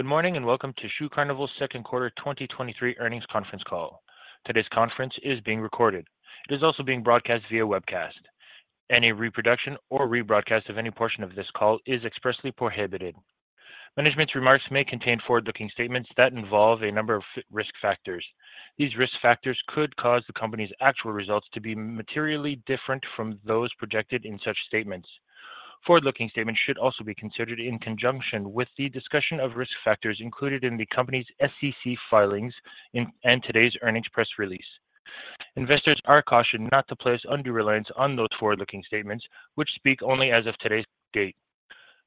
Good morning, and welcome to Shoe Carnival's second quarter 2023 earnings conference call. Today's conference is being recorded. It is also being broadcast via webcast. Any reproduction or rebroadcast of any portion of this call is expressly prohibited. Management's remarks may contain forward-looking statements that involve a number of risk factors. These risk factors could cause the Company's actual results to be materially different from those projected in such statements. Forward-looking statements should also be considered in conjunction with the discussion of risk factors included in the Company's SEC filings and today's earnings press release. Investors are cautioned not to place undue reliance on those forward-looking statements, which speak only as of today's date.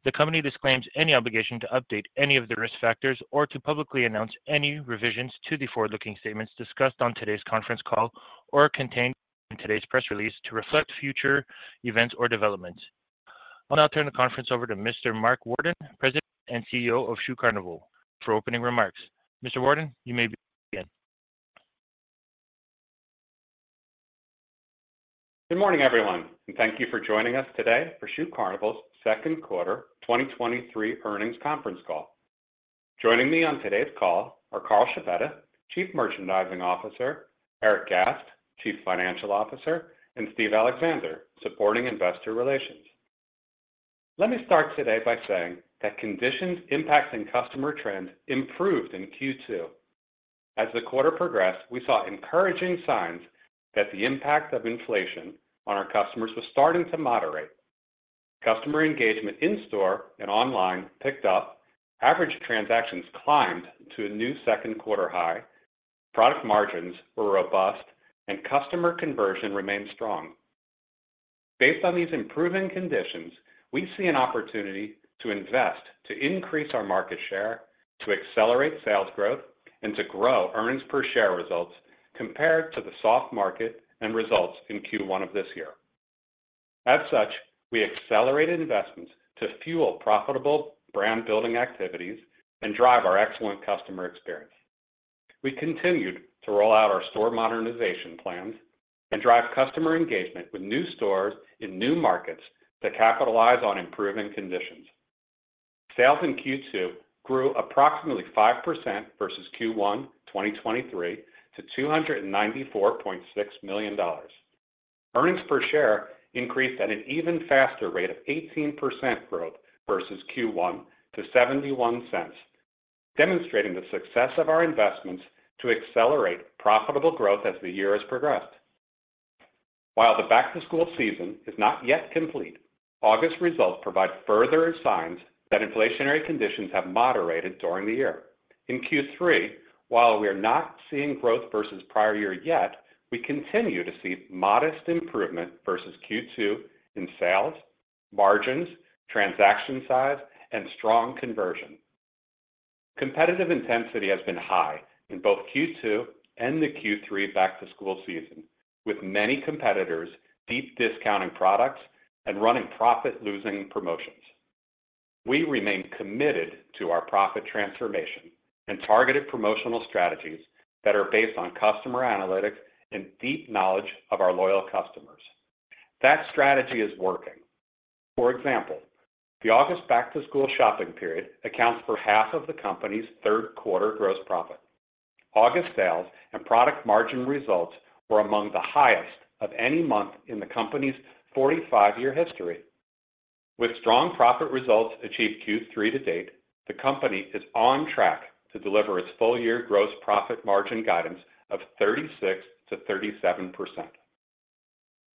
The Company disclaims any obligation to update any of the risk factors or to publicly announce any revisions to the forward-looking statements discussed on today's conference call or contained in today's press release to reflect future events or developments. I'll now turn the conference over to Mr. Mark Worden, President and CEO of Shoe Carnival, for opening remarks. Mr. Worden, you may begin. Good morning, everyone, and thank you for joining us today for Shoe Carnival's second quarter 2023 earnings conference call. Joining me on today's call are Carl Scibetta, Chief Merchandising Officer, Erik Gast, Chief Financial Officer, and Steve Alexander, supporting investor relations. Let me start today by saying that conditions impacting customer trends improved in Q2. As the quarter progressed, we saw encouraging signs that the impact of inflation on our customers was starting to moderate. Customer engagement in store and online picked up, average transactions climbed to a new second quarter high, product margins were robust, and customer conversion remained strong. Based on these improving conditions, we see an opportunity to invest, to increase our market share, to accelerate sales growth, and to grow earnings per share results compared to the soft market and results in Q1 of this year. As such, we accelerated investments to fuel profitable brand-building activities and drive our excellent customer experience. We continued to roll out our store modernization plans and drive customer engagement with new stores in new markets to capitalize on improving conditions. Sales in Q2 grew approximately 5% versus Q1 2023 to $294.6 million. Earnings per share increased at an even faster rate of 18% growth versus Q1 to $0.71, demonstrating the success of our investments to accelerate profitable growth as the year has progressed. While the back-to-school season is not yet complete, August results provide further signs that inflationary conditions have moderated during the year. In Q3, while we are not seeing growth versus prior year yet, we continue to see modest improvement versus Q2 in sales, margins, transaction size, and strong conversion. Competitive intensity has been high in both Q2 and the Q3 back-to-school season, with many competitors deep discounting products and running profit-losing promotions. We remain committed to our profit transformation and targeted promotional strategies that are based on customer analytics and deep knowledge of our loyal customers. That strategy is working. For example, the August back-to-school shopping period accounts for half of the company's third quarter gross profit. August sales and product margin results were among the highest of any month in the company's 45-year history. With strong profit results achieved Q3 to date, the company is on track to deliver its full-year gross profit margin guidance of 36%-37%.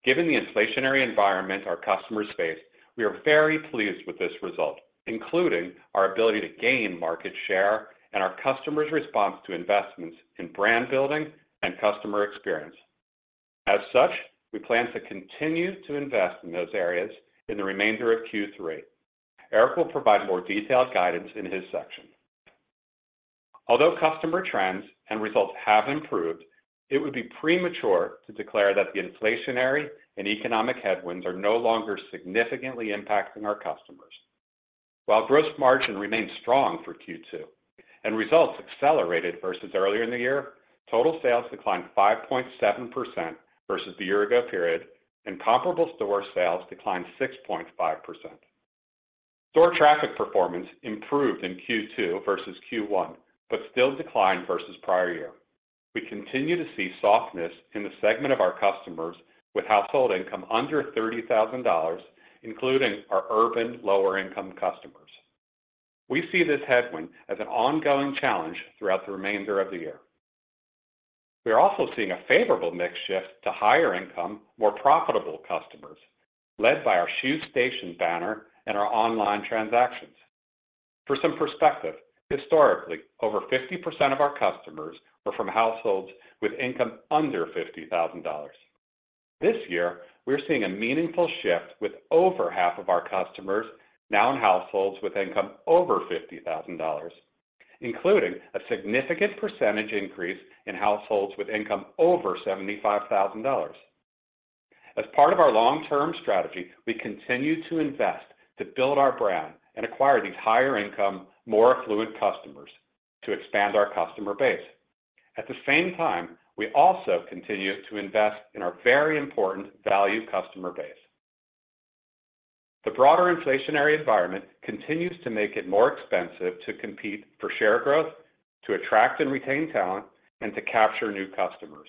Given the inflationary environment our customers face, we are very pleased with this result, including our ability to gain market share and our customers' response to investments in brand building and customer experience. As such, we plan to continue to invest in those areas in the remainder of Q3. Erik will provide more detailed guidance in his section. Although customer trends and results have improved, it would be premature to declare that the inflationary and economic headwinds are no longer significantly impacting our customers. While gross margin remains strong for Q2 and results accelerated versus earlier in the year, total sales declined 5.7% versus the year ago period, and comparable store sales declined 6.5%. Store traffic performance improved in Q2 versus Q1, but still declined versus prior year. We continue to see softness in the segment of our customers with household income under $30,000, including our urban lower-income customers. We see this headwind as an ongoing challenge throughout the remainder of the year. We are also seeing a favorable mix shift to higher income, more profitable customers, led by our Shoe Station banner and our online transactions. For some perspective, historically, over 50% of our customers were from households with income under $50,000. This year, we are seeing a meaningful shift with over half of our customers now in households with income over $50,000, including a significant percentage increase in households with income over $75,000. As part of our long-term strategy, we continue to invest to build our brand and acquire these higher-income, more affluent customers to expand our customer base. At the same time, we also continue to invest in our very important value customer base.... The broader inflationary environment continues to make it more expensive to compete for share growth, to attract and retain talent, and to capture new customers.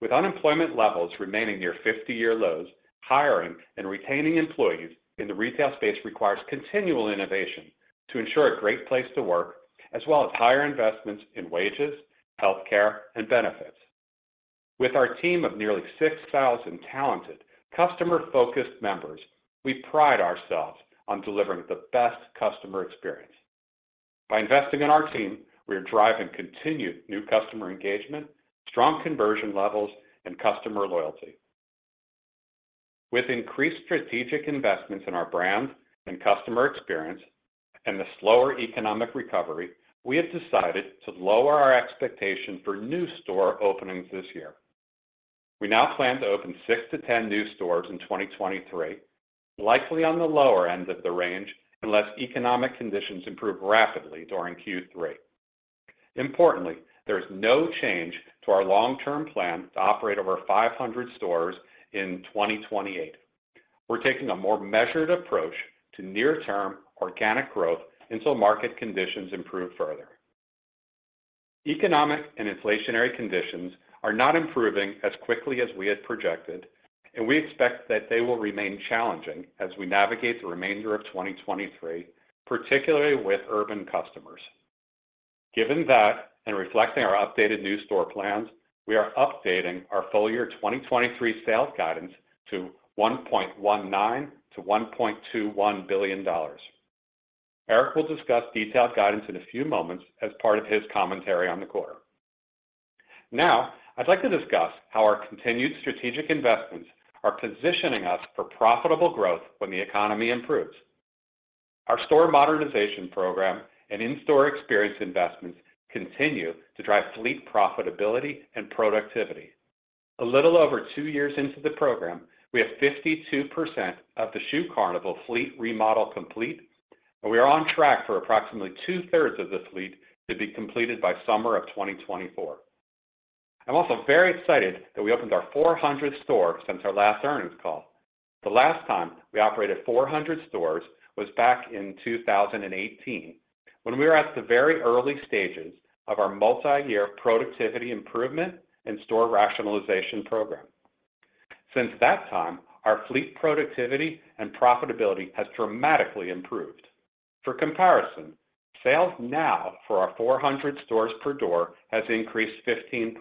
With unemployment levels remaining near 50-year lows, hiring and retaining employees in the retail space requires continual innovation to ensure a great place to work, as well as higher investments in wages, healthcare, and benefits. With our team of nearly 6,000 talented, customer-focused members, we pride ourselves on delivering the best customer experience. By investing in our team, we are driving continued new customer engagement, strong conversion levels, and customer loyalty. With increased strategic investments in our brand and customer experience and the slower economic recovery, we have decided to lower our expectation for new store openings this year. We now plan to open six-10 new stores in 2023, likely on the lower end of the range, unless economic conditions improve rapidly during Q3. Importantly, there is no change to our long-term plan to operate over 500 stores in 2028. We're taking a more measured approach to near-term organic growth until market conditions improve further. Economic and inflationary conditions are not improving as quickly as we had projected, and we expect that they will remain challenging as we navigate the remainder of 2023, particularly with urban customers. Given that, and reflecting our updated new store plans, we are updating our full-year 2023 sales guidance to $1.19-$1.21 billion. Erik will discuss detailed guidance in a few moments as part of his commentary on the quarter. Now, I'd like to discuss how our continued strategic investments are positioning us for profitable growth when the economy improves. Our store modernization program and in-store experience investments continue to drive fleet profitability and productivity. A little over two years into the program, we have 52% of the Shoe Carnival fleet remodel complete, and we are on track for approximately 2/3 of this fleet to be completed by summer of 2024. I'm also very excited that we opened our 400th store since our last earnings call. The last time we operated 400 stores was back in 2018, when we were at the very early stages of our multi-year productivity improvement and store rationalization program. Since that time, our fleet productivity and profitability has dramatically improved. For comparison, sales now for our 400 stores per door has increased 15%.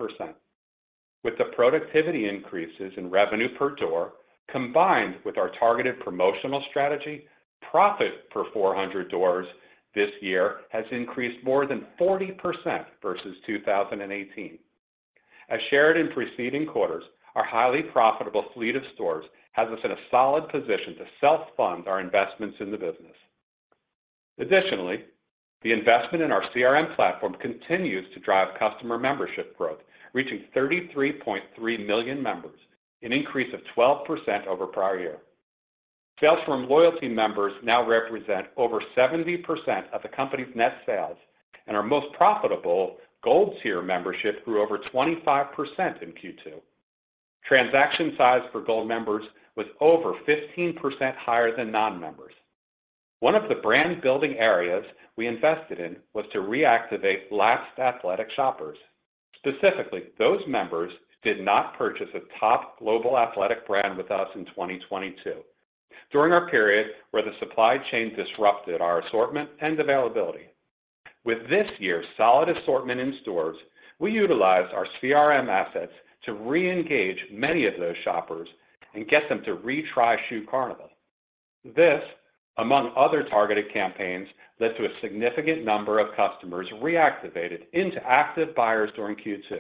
With the productivity increases in revenue per door, combined with our targeted promotional strategy, profit for 400 stores this year has increased more than 40% versus 2018. As shared in preceding quarters, our highly profitable fleet of stores has us in a solid position to self-fund our investments in the business. Additionally, the investment in our CRM platform continues to drive customer membership growth, reaching 33.3 million members, an increase of 12% over prior year. Sales from loyalty members now represent over 70% of the company's net sales, and our most profitable Gold tier membership grew over 25% in Q2. Transaction size for Gold members was over 15% higher than non-members. One of the brand-building areas we invested in was to reactivate lapsed athletic shoppers. Specifically, those members did not purchase a top global athletic brand with us in 2022, during our period where the supply chain disrupted our assortment and availability. With this year's solid assortment in stores, we utilized our CRM assets to reengage many of those shoppers and get them to retry Shoe Carnival. This, among other targeted campaigns, led to a significant number of customers reactivated into active buyers during Q2.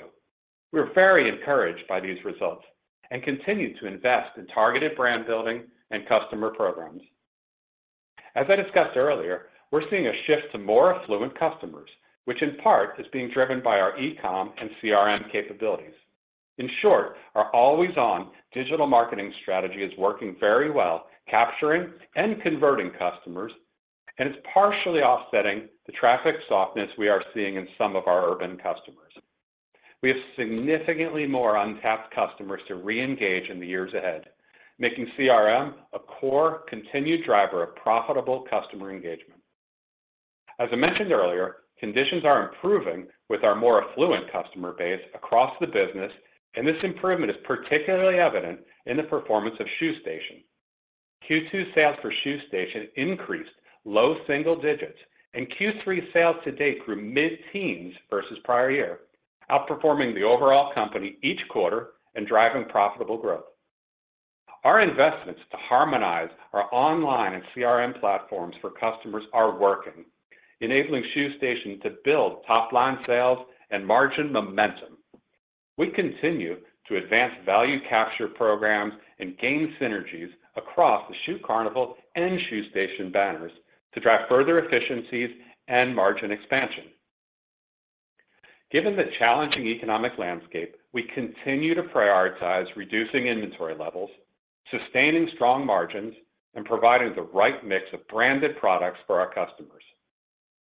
We're very encouraged by these results and continue to invest in targeted brand building and customer programs. As I discussed earlier, we're seeing a shift to more affluent customers, which in part is being driven by our e-com and CRM capabilities. In short, our always-on digital marketing strategy is working very well, capturing and converting customers, and it's partially offsetting the traffic softness we are seeing in some of our urban customers. We have significantly more untapped customers to reengage in the years ahead, making CRM a core continued driver of profitable customer engagement. As I mentioned earlier, conditions are improving with our more affluent customer base across the business, and this improvement is particularly evident in the performance of Shoe Station. Q2 sales for Shoe Station increased low single digits, and Q3 sales to date grew mid-teens versus prior year, outperforming the overall company each quarter and driving profitable growth. Our investments to harmonize our online and CRM platforms for customers are working, enabling Shoe Station to build top-line sales and margin momentum. We continue to advance value capture programs and gain synergies across the Shoe Carnival and Shoe Station banners to drive further efficiencies and margin expansion. Given the challenging economic landscape, we continue to prioritize reducing inventory levels, sustaining strong margins, and providing the right mix of branded products for our customers.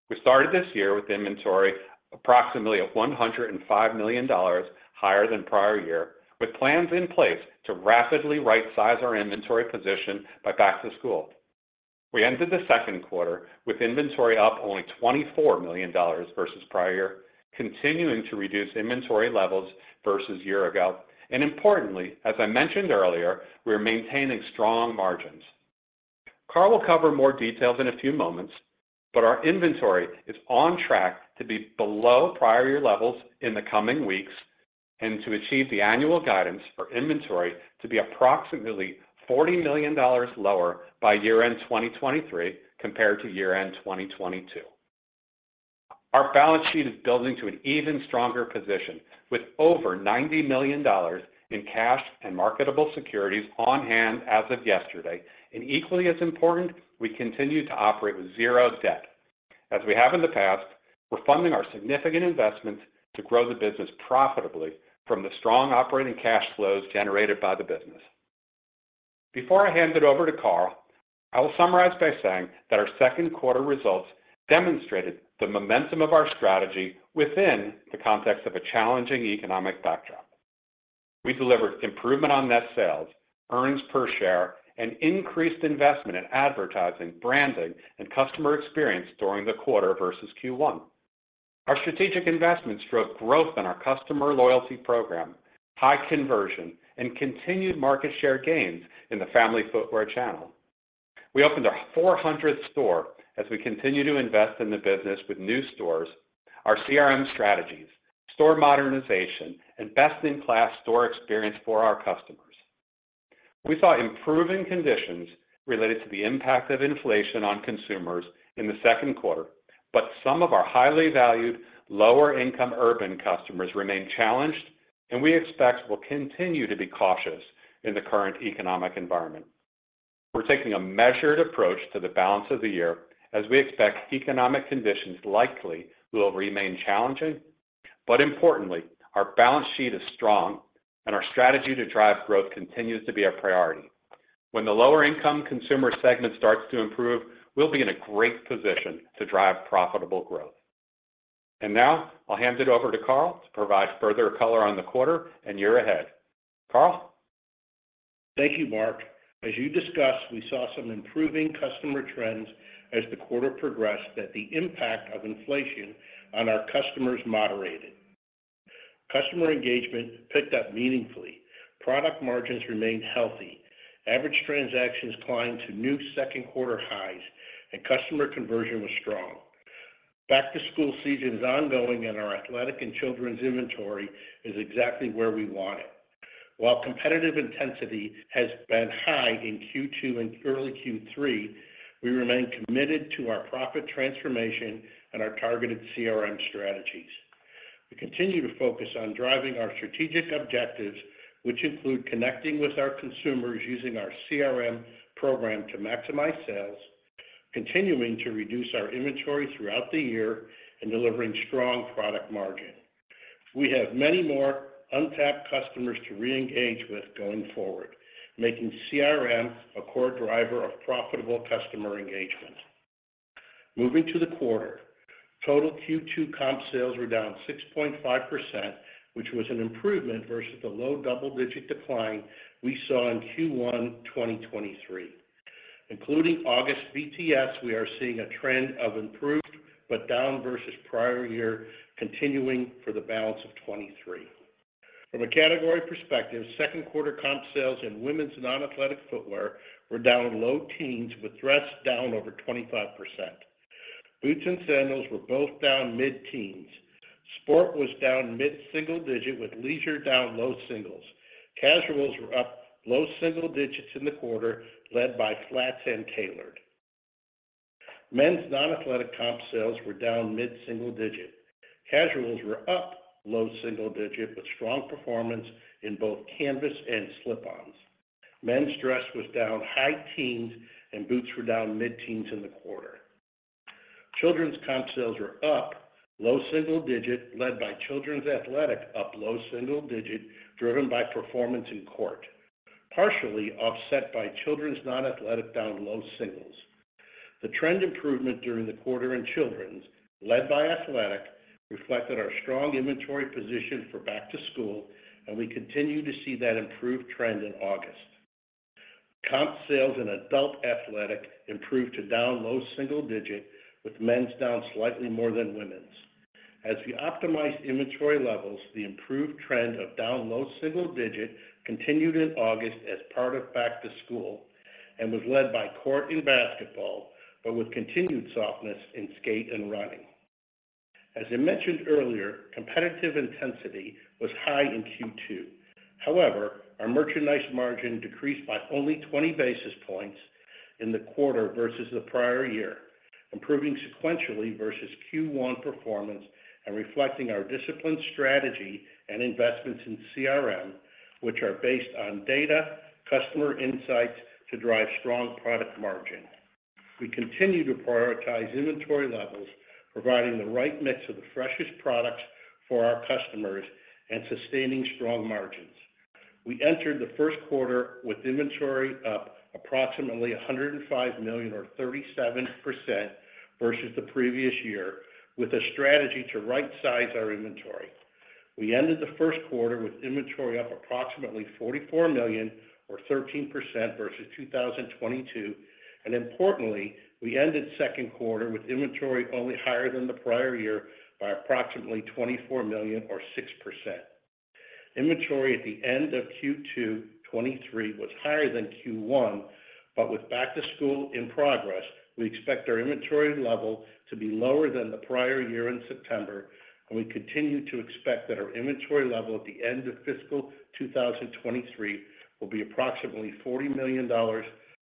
We started this year with inventory approximately $105 million higher than prior year, with plans in place to rapidly right-size our inventory position by back to school. We ended the second quarter with inventory up only $24 million versus prior year, continuing to reduce inventory levels versus year ago. And importantly, as I mentioned earlier, we are maintaining strong margins. Carl will cover more details in a few moments, but our inventory is on track to be below prior year levels in the coming weeks, and to achieve the annual guidance for inventory to be approximately $40 million lower by year-end 2023 compared to year-end 2022. Our balance sheet is building to an even stronger position, with over $90 million in cash and marketable securities on hand as of yesterday, and equally as important, we continue to operate with zero debt. As we have in the past, we're funding our significant investments to grow the business profitably from the strong operating cash flows generated by the business. Before I hand it over to Carl, I will summarize by saying that our second quarter results demonstrated the momentum of our strategy within the context of a challenging economic backdrop. We delivered improvement on net sales, earnings per share, and increased investment in advertising, branding, and customer experience during the quarter versus Q1. Our strategic investments drove growth in our customer loyalty program, high conversion, and continued market share gains in the family footwear channel. We opened our 400th store as we continue to invest in the business with new stores, our CRM strategies, store modernization, and best-in-class store experience for our customers. We saw improving conditions related to the impact of inflation on consumers in the second quarter, but some of our highly valued, lower-income urban customers remain challenged and we expect will continue to be cautious in the current economic environment. We're taking a measured approach to the balance of the year as we expect economic conditions likely will remain challenging. But importantly, our balance sheet is strong, and our strategy to drive growth continues to be a priority. When the lower-income consumer segment starts to improve, we'll be in a great position to drive profitable growth. Now I'll hand it over to Carl to provide further color on the quarter and year ahead. Carl? Thank you, Mark. As you discussed, we saw some improving customer trends as the quarter progressed. That the impact of inflation on our customers moderated. Customer engagement picked up meaningfully, product margins remained healthy, average transactions climbed to new second quarter highs, and customer conversion was strong. Back-to-school season is ongoing, and our athletic and children's inventory is exactly where we want it. While competitive intensity has been high in Q2 and early Q3, we remain committed to our profit transformation and our targeted CRM strategies. We continue to focus on driving our strategic objectives, which include connecting with our consumers, using our CRM program to maximize sales, continuing to reduce our inventory throughout the year, and delivering strong product margin. We have many more untapped customers to reengage with going forward, making CRM a core driver of profitable customer engagement. Moving to the quarter, total Q2 comp sales were down 6.5%, which was an improvement versus the low double-digit decline we saw in Q1 2023. Including August BTS, we are seeing a trend of improved but down versus prior year, continuing for the balance of 2023. From a category perspective, second quarter comp sales in women's non-athletic footwear were down low teens, with dress down over 25%. Boots and sandals were both down mid-teens. Sport was down mid-single digit, with leisure down low singles. Casuals were up low single digits in the quarter, led by flats and tailored. Men's non-athletic comp sales were down mid-single digit. Casuals were up low single digit, with strong performance in both canvas and slip-ons. Men's dress was down high teens, and boots were down mid-teens in the quarter. Children's comp sales were up low-single-digit, led by children's athletic up low-single-digit, driven by performance in court, partially offset by children's non-athletic down low-single-digit. The trend improvement during the quarter in children's, led by athletic, reflected our strong inventory position for back-to-school, and we continue to see that improved trend in August. Comp sales in adult athletic improved to down low-single-digit, with men's down slightly more than women's. As we optimized inventory levels, the improved trend of down low-single-digit continued in August as part of back-to-school, and was led by court and basketball, but with continued softness in skate and running. As I mentioned earlier, competitive intensity was high in Q2. However, our merchandise margin decreased by only 20 basis points in the quarter versus the prior year, improving sequentially versus Q1 performance and reflecting our disciplined strategy and investments in CRM, which are based on data, customer insights to drive strong product margin. We continue to prioritize inventory levels, providing the right mix of the freshest products for our customers and sustaining strong margins. We entered the first quarter with inventory up approximately $105 million, or 37%, versus the previous year, with a strategy to right-size our inventory. We ended the first quarter with inventory up approximately $44 million, or 13%, versus 2022, and importantly, we ended second quarter with inventory only higher than the prior year by approximately $24 million or 6%. Inventory at the end of Q2 2023 was higher than Q1, but with back to school in progress, we expect our inventory level to be lower than the prior year in September, and we continue to expect that our inventory level at the end of fiscal 2023 will be approximately $40 million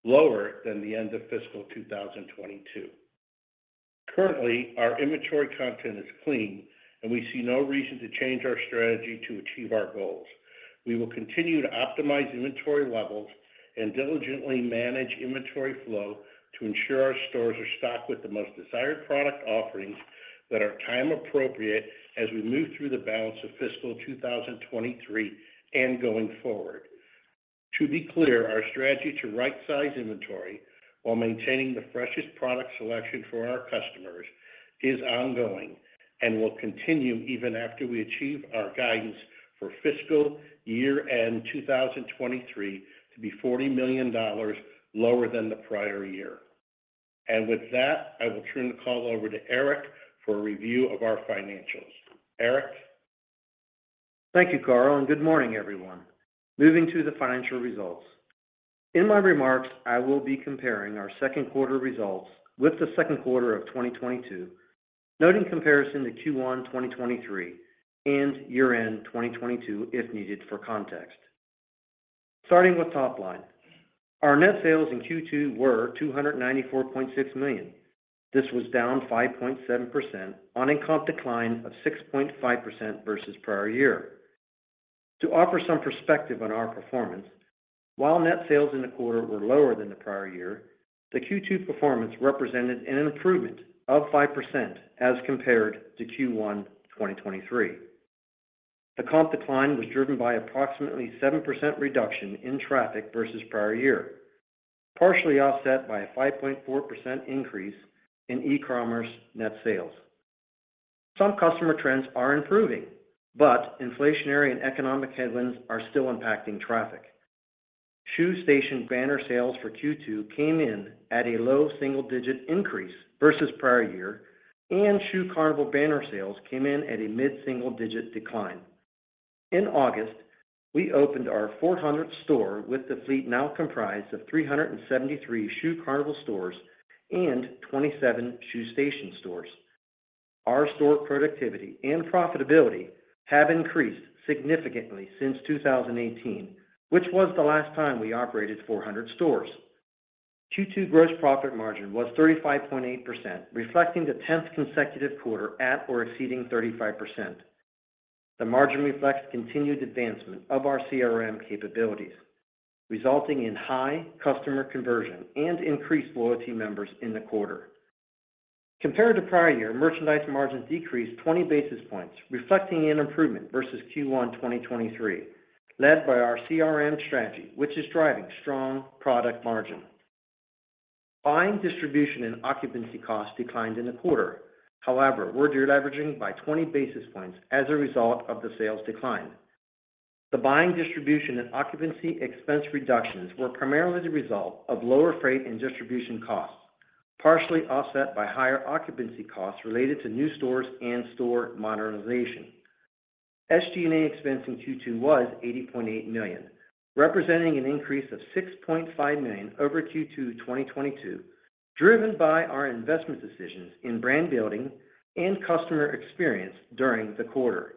lower than the end of fiscal 2022. Currently, our inventory content is clean, and we see no reason to change our strategy to achieve our goals. We will continue to optimize inventory levels and diligently manage inventory flow to ensure our stores are stocked with the most desired product offerings that are time appropriate as we move through the balance of fiscal 2023 and going forward. To be clear, our strategy to right-size inventory while maintaining the freshest product selection for our customers is ongoing and will continue even after we achieve our guidance for fiscal year-end 2023 to be $40 million lower than the prior year. With that, I will turn the call over to Erik for a review of our financials. Erik? Thank you, Carl, and good morning, everyone. Moving to the financial results. In my remarks, I will be comparing our second quarter results with the second quarter of 2022, noting comparison to Q1 2023 and year-end 2022, if needed for context. Starting with top line. Our net sales in Q2 were $294.6 million. This was down 5.7% on a comp decline of 6.5% versus prior year. To offer some perspective on our performance, while net sales in the quarter were lower than the prior year, the Q2 performance represented an improvement of 5% as compared to Q1 2023. The comp decline was driven by approximately 7% reduction in traffic versus prior year, partially offset by a 5.4% increase in e-commerce net sales. Some customer trends are improving, but inflationary and economic headwinds are still impacting traffic. Shoe Station banner sales for Q2 came in at a low single digit increase versus prior year, and Shoe Carnival banner sales came in at a mid-single digit decline. In August, we opened our 400th store, with the fleet now comprised of 373 Shoe Carnival stores and 27 Shoe Station stores. Our store productivity and profitability have increased significantly since 2018, which was the last time we operated 400 stores. Q2 gross profit margin was 35.8%, reflecting the 10th consecutive quarter at or exceeding 35%. The margin reflects continued advancement of our CRM capabilities, resulting in high customer conversion and increased loyalty members in the quarter. Compared to prior year, merchandise margins decreased 20 basis points, reflecting an improvement versus Q1 2023, led by our CRM strategy, which is driving strong product margin. Buying, distribution, and occupancy costs declined in the quarter. However, we're deleveraging by 20 basis points as a result of the sales decline. The buying, distribution, and occupancy expense reductions were primarily the result of lower freight and distribution costs, partially offset by higher occupancy costs related to new stores and store modernization. SG&A expense in Q2 was $80.8 million, representing an increase of $6.5 million over Q2 2022, driven by our investment decisions in brand building and customer experience during the quarter.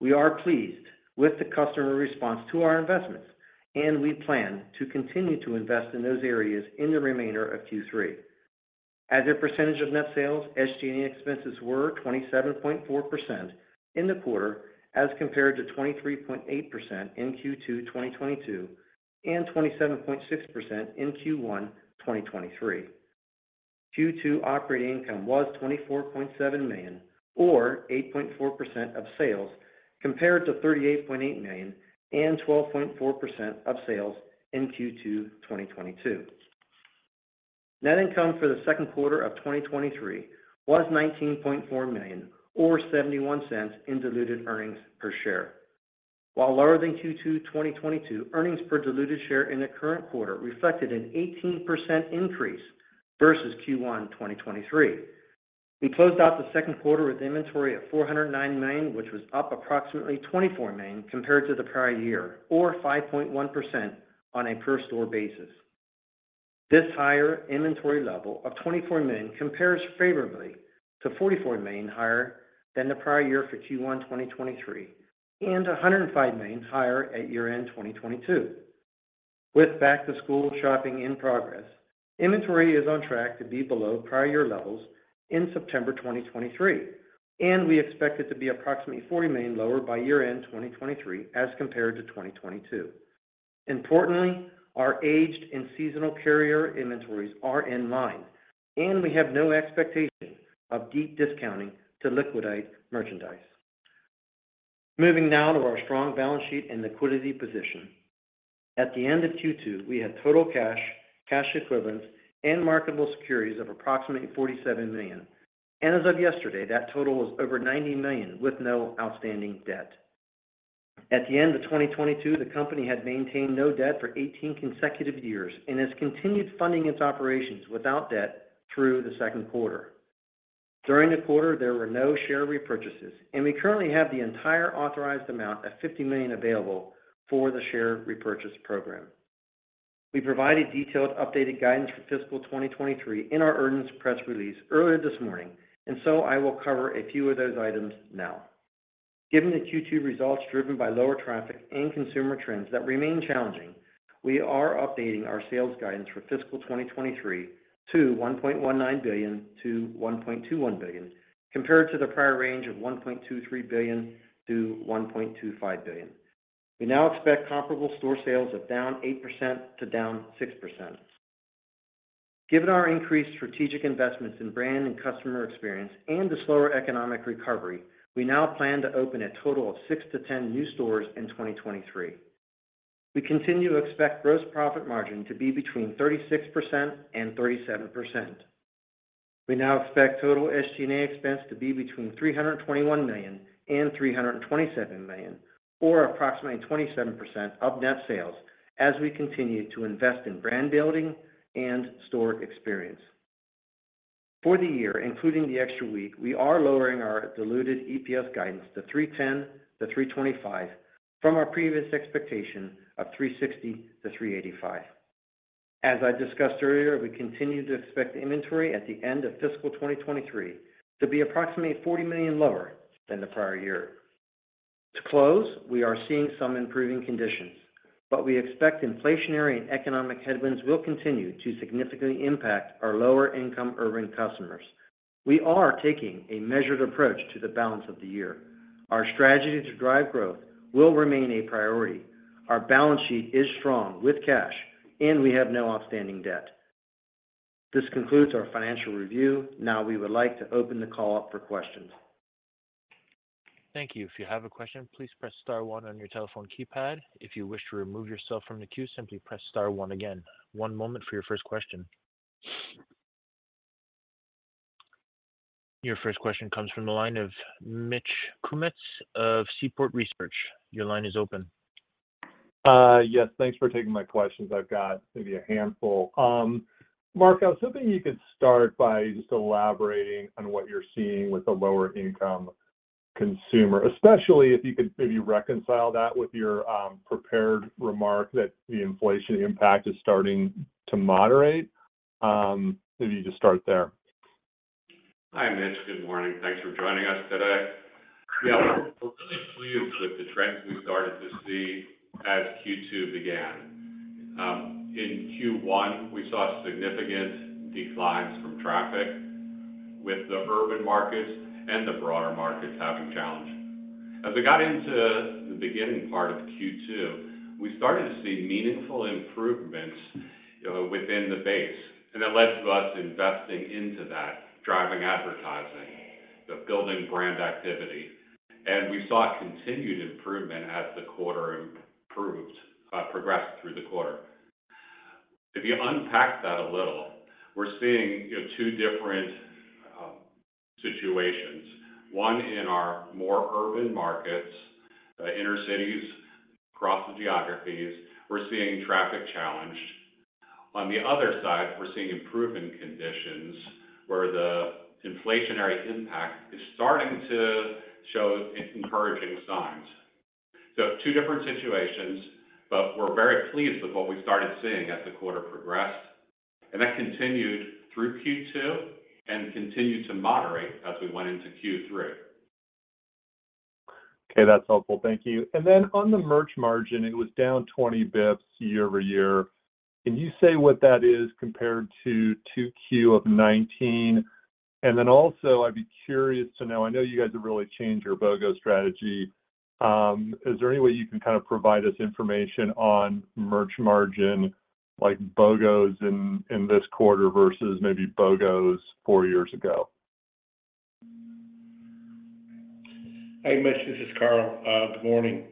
We are pleased with the customer response to our investments, and we plan to continue to invest in those areas in the remainder of Q3. As a percentage of net sales, SG&A expenses were 27.4% in the quarter, as compared to 23.8% in Q2 2022 and 27.6% in Q1 2023. Q2 operating income was $24.7 million, or 8.4% of sales, compared to $38.8 million and 12.4% of sales in Q2 2022. Net income for the second quarter of 2023 was $19.4 million, or $0.71 in diluted earnings per share. While lower than Q2 2022, earnings per diluted share in the current quarter reflected an 18% increase versus Q1 2023. We closed out the second quarter with inventory at $409 million, which was up approximately $24 million compared to the prior year, or 5.1% on a per store basis. This higher inventory level of $24 million compares favorably to $44 million higher than the prior year for Q1 2023 and $105 million higher at year-end 2022. With back-to-school shopping in progress, inventory is on track to be below prior year levels in September 2023, and we expect it to be approximately $40 million lower by year-end 2023 as compared to 2022. Importantly, our aged and seasonal carryover inventories are in line, and we have no expectation of deep discounting to liquidate merchandise. Moving now to our strong balance sheet and liquidity position. At the end of Q2, we had total cash, cash equivalents, and marketable securities of approximately $47 million. As of yesterday, that total was over $90 million, with no outstanding debt. At the end of 2022, the company had maintained no debt for 18 consecutive years and has continued funding its operations without debt through the second quarter. During the quarter, there were no share repurchases, and we currently have the entire authorized amount of 50 million available for the share repurchase program. We provided detailed updated guidance for fiscal 2023 in our earnings press release earlier this morning, and so I will cover a few of those items now. Given the Q2 results driven by lower traffic and consumer trends that remain challenging, we are updating our sales guidance for fiscal 2023 to $1.19 billion-$1.21 billion, compared to the prior range of $1.23 billion-$1.25 billion. We now expect comparable store sales of down 8% to down 6%. Given our increased strategic investments in brand and customer experience and the slower economic recovery, we now plan to open a total of six-10 new stores in 2023. We continue to expect gross profit margin to be between 36%-37%. We now expect total SG&A expense to be between $321 million-$327 million, or approximately 27% of net sales, as we continue to invest in brand building and store experience. For the year, including the extra week, we are lowering our diluted EPS guidance to $3.10-$3.25 from our previous expectation of $3.60-$3.85. As I discussed earlier, we continue to expect inventory at the end of fiscal 2023 to be approximately $40 million lower than the prior year. To close, we are seeing some improving conditions, but we expect inflationary and economic headwinds will continue to significantly impact our lower-income urban customers. We are taking a measured approach to the balance of the year. Our strategy to drive growth will remain a priority. Our balance sheet is strong with cash, and we have no outstanding debt. This concludes our financial review. Now, we would like to open the call up for questions. Thank you. If you have a question, please press star one on your telephone keypad. If you wish to remove yourself from the queue, simply press star one again. One moment for your first question. Your first question comes from the line of Mitch Kummetz of Seaport Research. Your line is open. Yes, thanks for taking my questions. I've got maybe a handful. Mark, I was hoping you could start by just elaborating on what you're seeing with the lower income consumer, especially if you could maybe reconcile that with your prepared remark that the inflation impact is starting to moderate. If you just start there. Hi, Mitch. Good morning. Thanks for joining us today. Yeah, we're really pleased with the trends we started to see as Q2 began. In Q1, we saw significant declines from traffic, with the urban markets and the broader markets having challenges. As we got into the beginning part of Q2, we started to see meaningful improvements, you know, within the base, and that led to us investing into that, driving advertising, building brand activity. And we saw continued improvement as the quarter improved, progressed through the quarter. If you unpack that a little, we're seeing, you know, two different situations. One, in our more urban markets, inner cities across the geographies, we're seeing traffic challenged. On the other side, we're seeing improvement conditions where the inflationary impact is starting to show encouraging signs. So two different situations, but we're very pleased with what we started seeing as the quarter progressed, and that continued through Q2 and continued to moderate as we went into Q3. Okay, that's helpful. Thank you. And then on the merch margin, it was down 20 basis points year-over-year. Can you say what that is compared to 2Q of 2019? And then also, I'd be curious to know... I know you guys have really changed your BOGO strategy. Is there any way you can kind of provide us information on merch margin, like BOGOs in this quarter versus maybe BOGOs four years ago? Hey, Mitch, this is Carl. Good morning.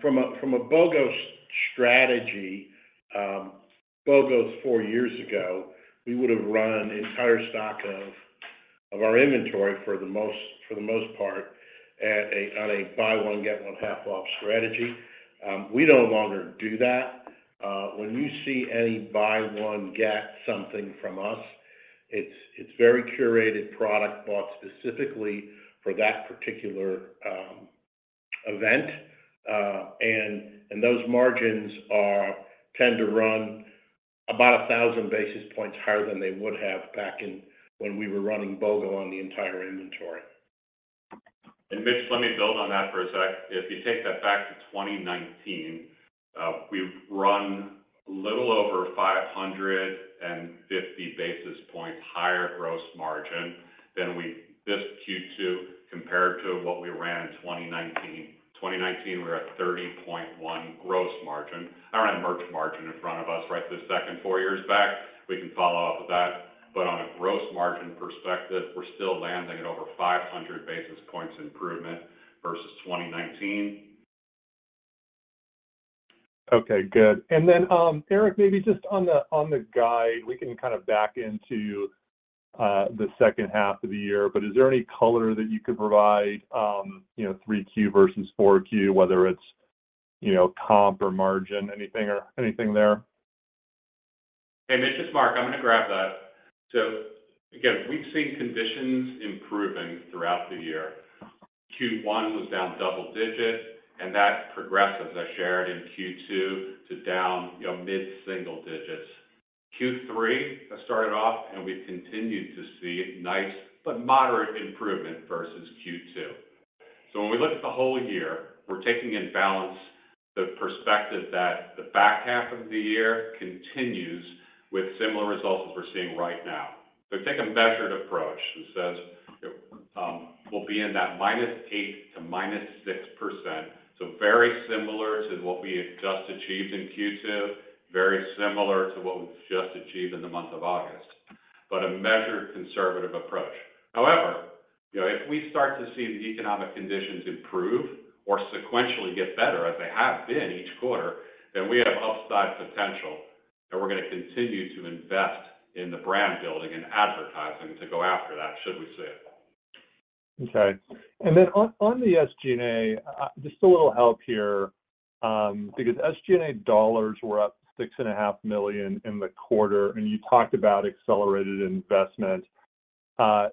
From a BOGO strategy, BOGOs four years ago, we would have run entire stock of our inventory for the most part on a buy one, get one half off strategy. We no longer do that. When you see any buy one, get something from us, it's very curated product bought specifically for that particular event. And those margins tend to run about 1,000 basis points higher than they would have back in when we were running BOGO on the entire inventory. Mitch, let me build on that for a sec. If you take that back to 2019, we've run a little over 550 basis points higher gross margin than we, this Q2 compared to what we ran in 2019. 2019, we were at 30.1 gross margin. I ran merch margin in front of us right this second. Four years back, we can follow up with that, but on a gross margin perspective, we're still landing at over 500 basis points improvement versus 2019. Okay, good. And then, Erik, maybe just on the guide, we can kind of back into the second half of the year, but is there any color that you could provide, you know, three Q versus four Q, whether it's, you know, comp or margin, anything or anything there? Hey, Mitch, it's Mark. I'm gonna grab that. So again, we've seen conditions improving throughout the year. Q1 was down double digits, and that progressed, as I shared in Q2, to down, you know, mid-single digits. Q3 has started off, and we've continued to see nice but moderate improvement versus Q2. So when we look at the whole year, we're taking in balance the perspective that the back half of the year continues with similar results that we're seeing right now. So take a measured approach that says, we'll be in that -8%-6%. So very similar to what we had just achieved in Q2, very similar to what we've just achieved in the month of August, but a measured, conservative approach. However, you know, if we start to see the economic conditions improve or sequentially get better as they have been each quarter, then we have upside potential, and we're gonna continue to invest in the brand building and advertising to go after that, should we see it. Okay. And then on the SG&A, just a little help here, because SG&A dollars were up $6.5 million in the quarter, and you talked about accelerated investment.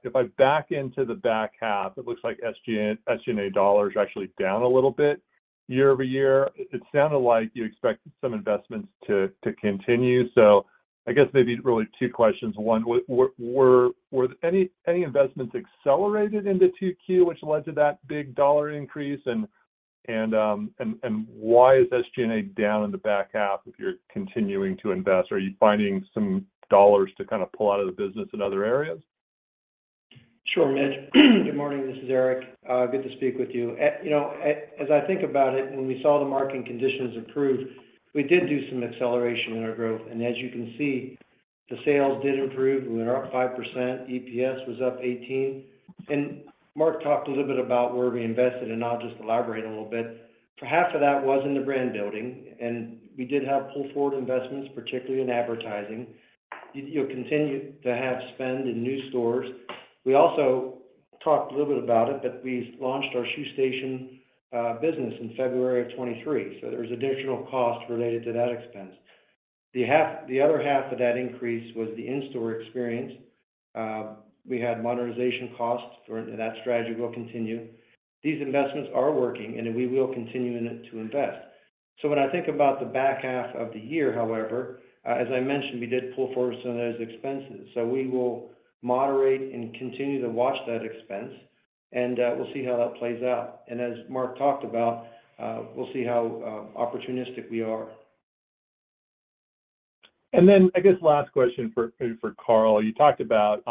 If I back into the back half, it looks like SG&A dollars are actually down a little bit year-over-year. It sounded like you expected some investments to continue. So I guess maybe really 2 questions. 1, were any investments accelerated into Q2, which led to that big dollar increase? And why is SG&A down in the back half if you're continuing to invest? Are you finding some dollars to kind of pull out of the business in other areas? Sure, Mitch. Good morning, this is Erik. Good to speak with you. You know, as I think about it, when we saw the marketing conditions improve, we did do some acceleration in our growth, and as you can see, the sales did improve. We were up 5%, EPS was up 18%. Mark talked a little bit about where we invested, and I'll just elaborate a little bit. For half of that was in the brand building, and we did have pull-forward investments, particularly in advertising. You continue to have spend in new stores. We also talked a little bit about it, but we launched our Shoe Station business in February of 2023, so there was additional cost related to that expense. The other half of that increase was the in-store experience. We had modernization costs for... That strategy will continue. These investments are working, and we will continue in it to invest. So when I think about the back half of the year, however, as I mentioned, we did pull forward some of those expenses, so we will moderate and continue to watch that expense, and, we'll see how that plays out. And as Mark talked about, we'll see how opportunistic we are. And then, I guess last question for Carl. You talked about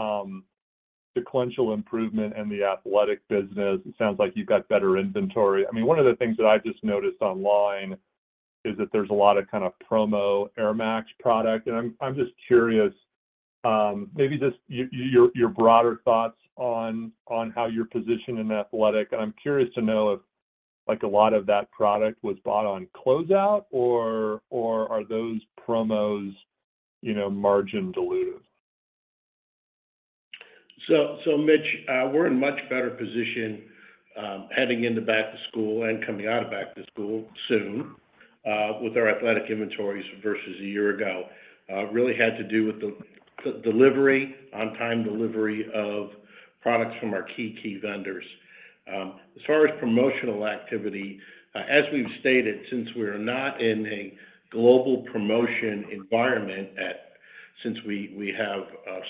sequential improvement in the athletic business. It sounds like you've got better inventory. I mean, one of the things that I just noticed online is that there's a lot of kind of promo Air Max product, and I'm just curious, maybe just your broader thoughts on how you're positioned in athletic. I'm curious to know if, like, a lot of that product was bought on closeout, or are those promos, you know, margin dilutive? So, Mitch, we're in much better position, heading into back-to-school and coming out of back-to-school soon, with our athletic inventories versus a year ago. Really had to do with the delivery, on-time delivery of products from our key vendors. As far as promotional activity, as we've stated, since we are not in a global promotion environment. Since we have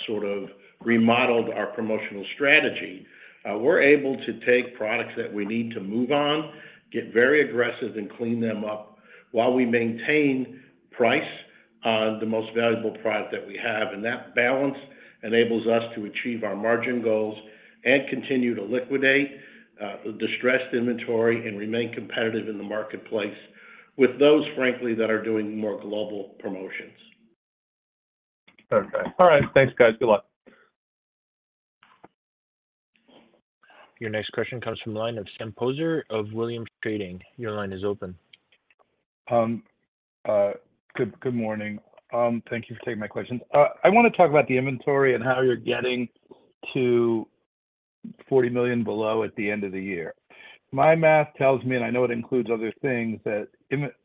sort of remodeled our promotional strategy, we're able to take products that we need to move on, get very aggressive, and clean them up while we maintain price on the most valuable product that we have. And that balance enables us to achieve our margin goals and continue to liquidate distressed inventory and remain competitive in the marketplace with those, frankly, that are doing more global promotions. Okay. All right. Thanks, guys. Good luck. Your next question comes from the line of Sam Poser of Williams Trading. Your line is open. Good morning. Thank you for taking my questions. I want to talk about the inventory and how you're getting to $40 million below at the end of the year. My math tells me, and I know it includes other things, that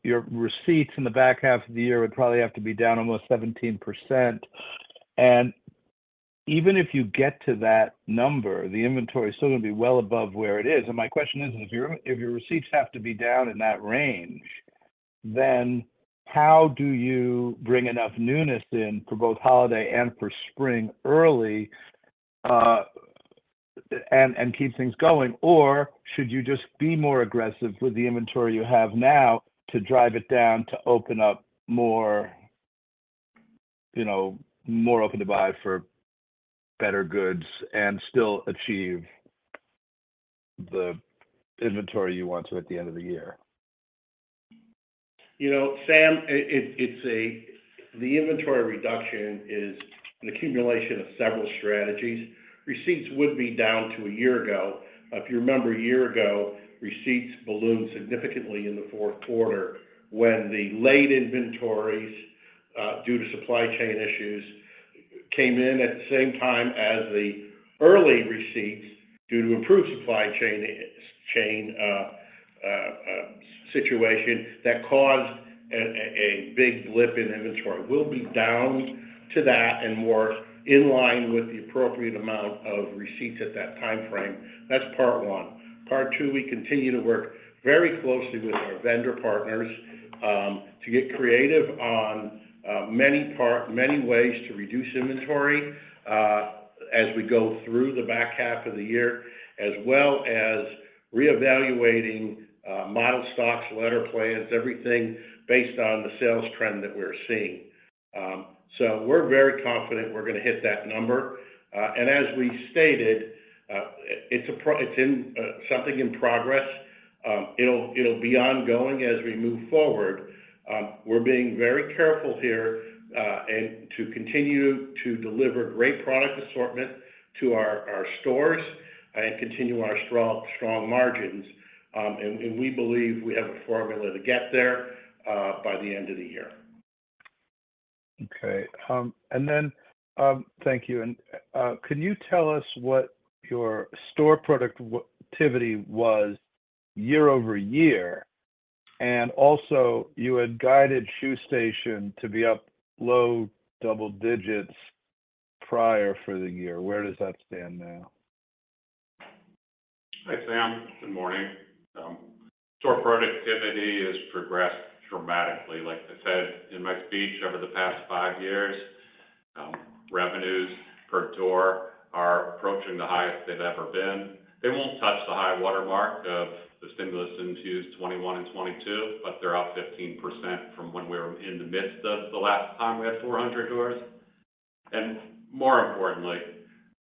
your receipts in the back half of the year would probably have to be down almost 17%. Even if you get to that number, the inventory is still gonna be well above where it is. My question is, if your receipts have to be down in that range, then how do you bring enough newness in for both holiday and for spring early, without-... and keep things going? Or should you just be more aggressive with the inventory you have now to drive it down, to open up more, you know, more open to buy for better goods and still achieve the inventory you want to at the end of the year? You know, Sam, it's the inventory reduction is an accumulation of several strategies. Receipts would be down to a year ago. If you remember, a year ago, receipts ballooned significantly in the fourth quarter when the late inventories due to supply chain issues came in at the same time as the early receipts due to improved supply chain situation that caused a big blip in inventory. We'll be down to that and more in line with the appropriate amount of receipts at that time frame. That's part one. Part two, we continue to work very closely with our vendor partners to get creative on many ways to reduce inventory as we go through the back half of the year, as well as reevaluating model stocks, ladder plans, everything based on the sales trend that we're seeing. So we're very confident we're gonna hit that number. And as we stated, it's in something in progress. It'll be ongoing as we move forward. We're being very careful here and to continue to deliver great product assortment to our stores and continue our strong margins. And we believe we have a formula to get there by the end of the year. Okay. And then, thank you. And, can you tell us what your store productivity was year-over-year? And also, you had guided Shoe Station to be up low double digits prior for the year. Where does that stand now? Hi, Sam. Good morning. Store productivity has progressed dramatically. Like I said in my speech, over the past five years, revenues per door are approaching the highest they've ever been. They won't touch the high watermark of the stimulus in 2021 and 2022, but they're up 15% from when we were in the midst of the last time we had 400 doors. And more importantly,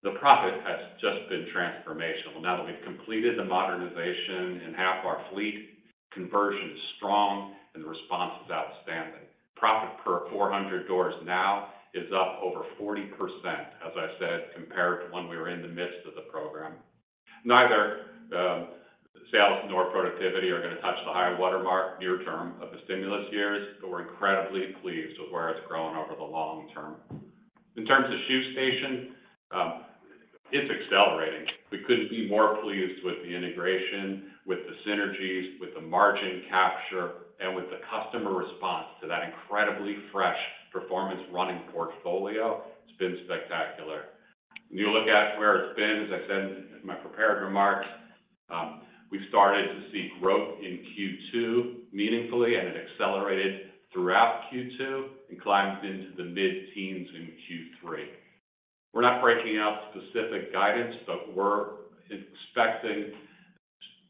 the profit has just been transformational. Now that we've completed the modernization in half our fleet, conversion is strong, and the response is outstanding. Profit per 400 doors now is up over 40%, as I said, compared to when we were in the midst of the program. Neither, sales nor productivity are gonna touch the high watermark near term of the stimulus years, but we're incredibly pleased with where it's grown over the long term. In terms of Shoe Station, it's accelerating. We couldn't be more pleased with the integration, with the synergies, with the margin capture, and with the customer response to that incredibly fresh performance running portfolio. It's been spectacular. When you look at where it's been, as I said in my prepared remarks, we've started to see growth in Q2 meaningfully, and it accelerated throughout Q2 and climbed into the mid-teens in Q3. We're not breaking out specific guidance, but we're expecting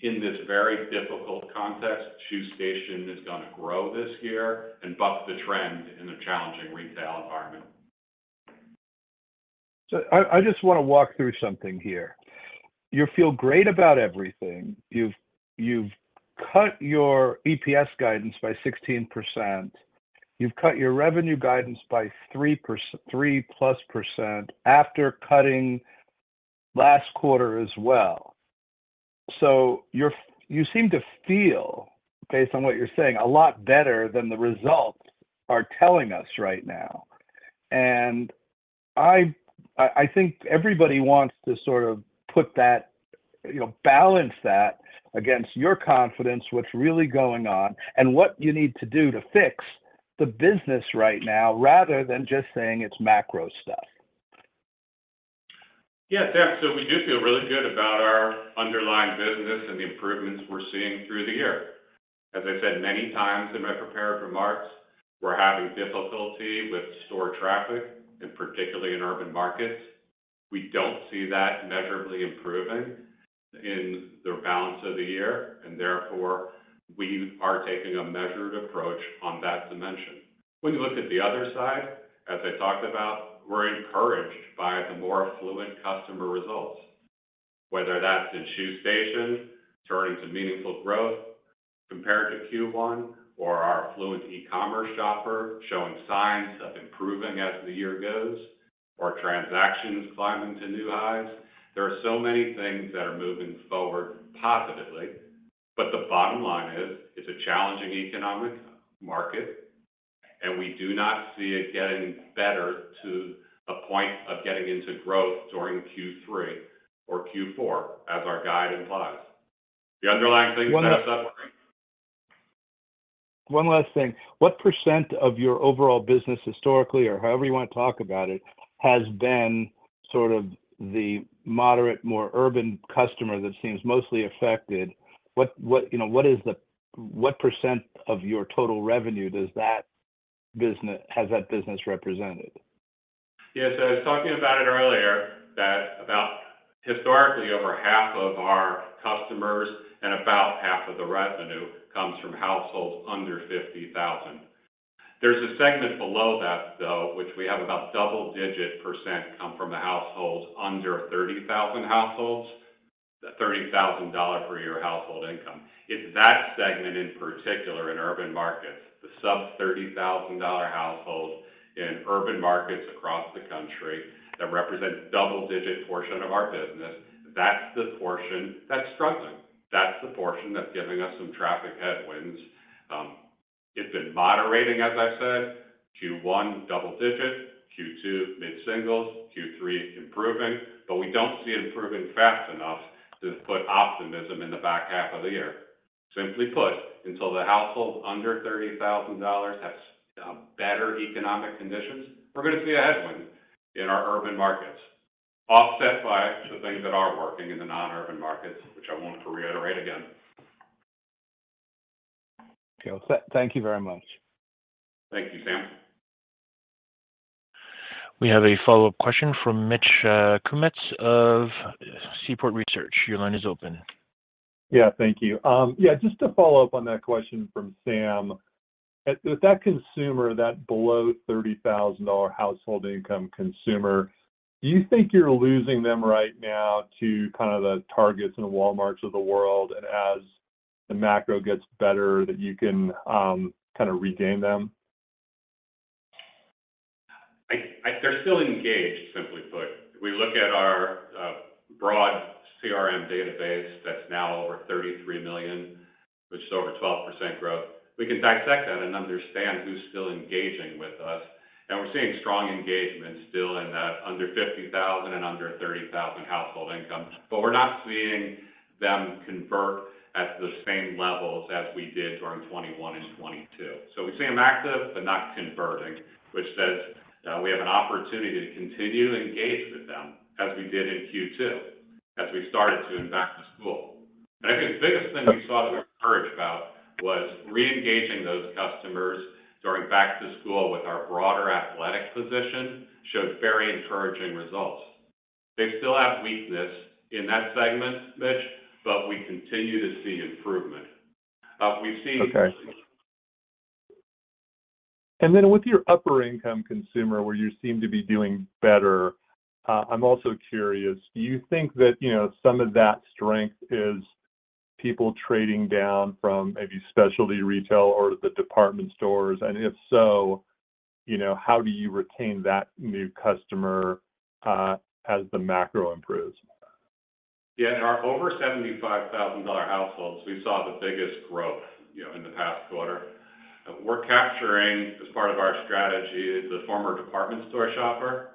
in this very difficult context, Shoe Station is gonna grow this year and buck the trend in a challenging retail environment. So I, I just wanna walk through something here. You feel great about everything. You've, you've cut your EPS guidance by 16%. You've cut your revenue guidance by 3%—3%+ after cutting last quarter as well. So you're—you seem to feel, based on what you're saying, a lot better than the results are telling us right now. And I, I, I think everybody wants to sort of put that, you know, balance that against your confidence, what's really going on, and what you need to do to fix the business right now, rather than just saying it's macro stuff. Yeah, Sam, so we do feel really good about our underlying business and the improvements we're seeing through the year. As I said many times in my prepared remarks, we're having difficulty with store traffic, and particularly in urban markets. We don't see that measurably improving in the balance of the year, and therefore, we are taking a measured approach on that dimension. When you look at the other side, as I talked about, we're encouraged by the more affluent customer results, whether that's in Shoe Station, turning to meaningful growth compared to Q1, or our affluent e-commerce shopper showing signs of improving as the year goes, or transactions climbing to new highs. There are so many things that are moving forward positively, but the bottom line is, it's a challenging economic market, and we do not see it getting better to a point of getting into growth during Q3 or Q4, as our guide implies. The underlying things- One last-... are suffering. One last thing. What percent of your overall business, historically, or however you want to talk about it, has been sort of the moderate, more urban customer that seems mostly affected? What, you know, what is the-what percent of your total revenue does that business, has that business represented? Yes, I was talking about it earlier, that about historically, over half of our customers and about half of the revenue comes from households under $50,000. There's a segment below that, though, which we have about double-digit % come from the households under $30,000 households, the $30,000 per year household income. It's that segment, in particular, in urban markets, the sub-$30,000 households in urban markets across the country, that represents double-digit portion of our business. That's the portion that's struggling. That's the portion that's giving us some traffic headwinds. It's been moderating, as I said, Q1, double digits, Q2, mid-singles, Q3, improving, but we don't see it improving fast enough to put optimism in the back half of the year. Simply put, until the household under $30,000 has better economic conditions, we're gonna see a headwind in our urban markets, offset by the things that are working in the non-urban markets, which I wanted to reiterate again. Okay. Thank you very much. Thank you, Sam. We have a follow-up question from Mitch Kummetz of Seaport Research. Your line is open. Yeah, thank you. Yeah, just to follow up on that question from Sam. With that consumer, that below $30,000 household income consumer, do you think you're losing them right now to kind of the Targets and Walmarts of the world, and as the macro gets better, that you can kind of regain them? They're still engaged, simply put. We look at our broad CRM database that's now over 33 million, which is over 12% growth. We can dissect that and understand who's still engaging with us, and we're seeing strong engagement still in that under $50,000 and under $30,000 household income. But we're not seeing them convert at the same levels as we did during 2021 and 2022. So we see them active, but not converting, which says we have an opportunity to continue to engage with them as we did in Q2, as we started to in back to school. And I think the biggest thing we saw that we were encouraged about was reengaging those customers during back to school with our broader athletic position, showed very encouraging results. They still have weakness in that segment, Mitch, but we continue to see improvement. We've seen- Okay. And then with your upper income consumer, where you seem to be doing better, I'm also curious, do you think that, you know, some of that strength is people trading down from maybe specialty retail or the department stores? And if so, you know, how do you retain that new customer, as the macro improves? Yeah, in our over $75,000 households, we saw the biggest growth, you know, in the past quarter. We're capturing, as part of our strategy, the former department store shopper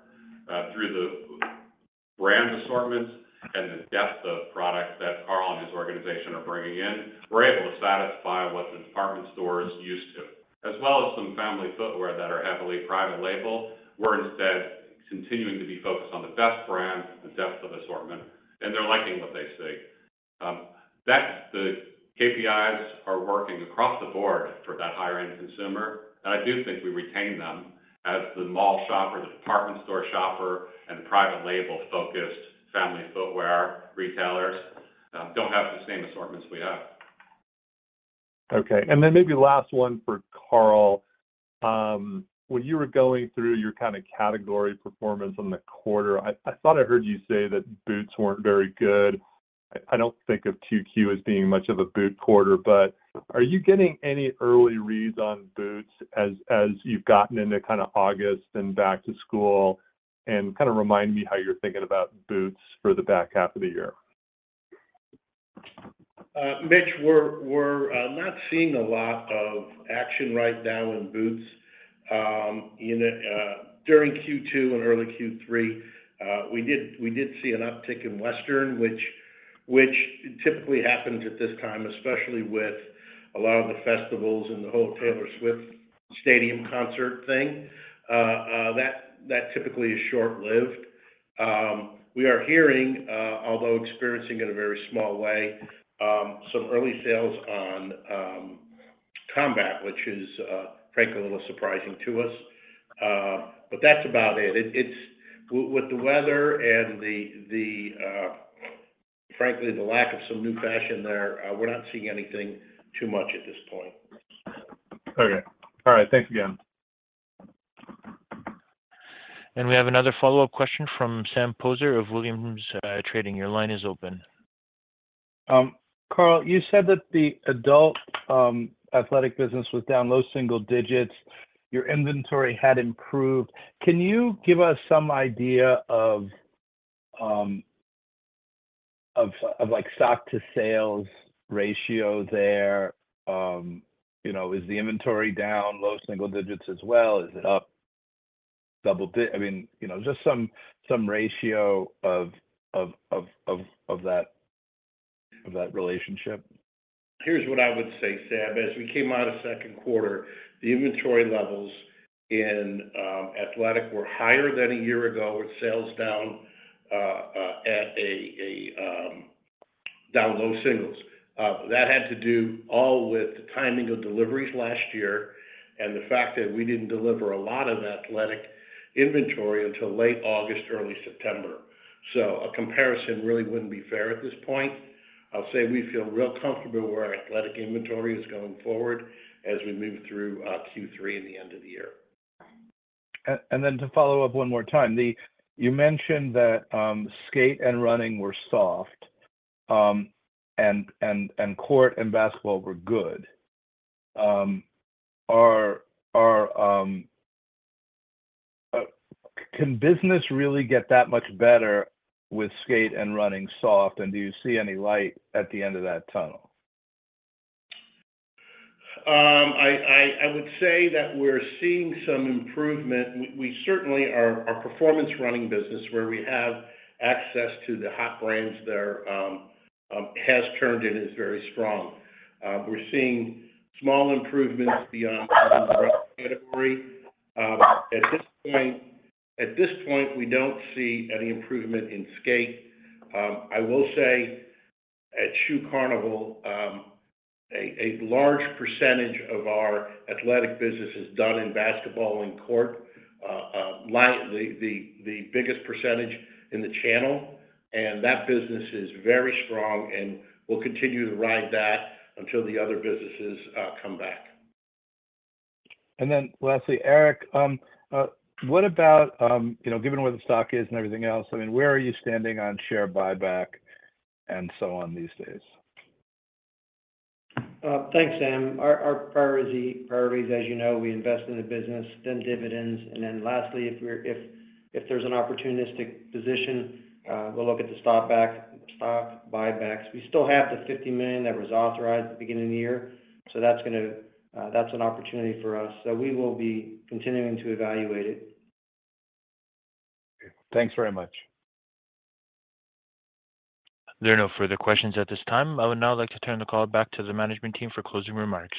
through the brand assortments and the depth of products that Carl and his organization are bringing in. We're able to satisfy what the department store is used to, as well as some family footwear that are heavily private label. We're instead continuing to be focused on the best brands, the depth of assortment, and they're liking what they see. That's the KPIs are working across the board for that higher-end consumer, and I do think we retain them as the mall shopper, the department store shopper, and private label-focused family footwear retailers don't have the same assortments we have. Okay, and then maybe last one for Carl. When you were going through your kind of category performance on the quarter, I thought I heard you say that boots weren't very good. I don't think of Q2 as being much of a boot quarter, but are you getting any early reads on boots as you've gotten into kind of August and back to school? And kind of remind me how you're thinking about boots for the back half of the year. Mitch, we're not seeing a lot of action right now in boots. During Q2 and early Q3, we did see an uptick in Western, which typically happens at this time, especially with a lot of the festivals and the whole Taylor Swift stadium concert thing. That typically is short-lived. We are hearing, although experiencing it a very small way, some early sales on combat, which is frankly a little surprising to us, but that's about it. With the weather and, frankly, the lack of some new fashion there, we're not seeing anything too much at this point. Okay. All right. Thanks again. We have another follow-up question from Sam Poser of Williams Trading. Your line is open. Carl, you said that the adult athletic business was down low single digits. Your inventory had improved. Can you give us some idea of, like, stock to sales ratio there? You know, is the inventory down low single digits as well? Is it up? I mean, you know, just some ratio of that relationship. Here's what I would say, Sam. As we came out of second quarter, the inventory levels in athletic were higher than a year ago, with sales down low singles. That had to do all with the timing of deliveries last year and the fact that we didn't deliver a lot of athletic inventory until late August, early September. So a comparison really wouldn't be fair at this point. I'll say we feel real comfortable where our athletic inventory is going forward as we move through Q3 and the end of the year. Then to follow up one more time, you mentioned that skate and running were soft, and court and basketball were good. Can business really get that much better with skate and running soft, and do you see any light at the end of that tunnel? I would say that we're seeing some improvement. We certainly are. Our performance running business, where we have access to the hot brands there, has turned in is very strong. We're seeing small improvements beyond the category. At this point, we don't see any improvement in skate. I will say at Shoe Carnival, a large percentage of our athletic business is done in basketball and court. The biggest percentage in the channel, and that business is very strong, and we'll continue to ride that until the other businesses come back. And then lastly, Erik, what about, you know, given where the stock is and everything else, I mean, where are you standing on share buyback and so on these days? Thanks, Sam. Our priorities, as you know, we invest in the business, then dividends, and then lastly, if there's an opportunistic position, we'll look at the stock buybacks. We still have the $50 million that was authorized at the beginning of the year, so that's gonna. That's an opportunity for us. So we will be continuing to evaluate it. Thanks very much. There are no further questions at this time. I would now like to turn the call back to the management team for closing remarks.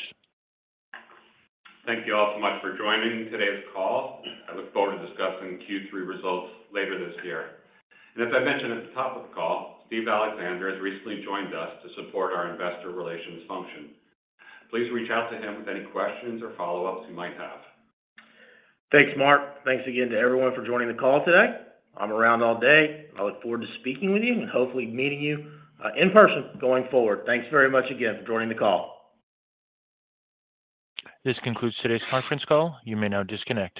Thank you all so much for joining today's call. I look forward to discussing the Q3 results later this year. As I mentioned at the top of the call, Steve Alexander has recently joined us to support our investor relations function. Please reach out to him with any questions or follow-ups you might have. Thanks, Mark. Thanks again to everyone for joining the call today. I'm around all day. I look forward to speaking with you and hopefully meeting you in person going forward. Thanks very much again for joining the call. This concludes today's conference call. You may now disconnect.